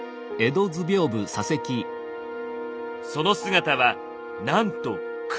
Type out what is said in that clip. その姿はなんと「黒」。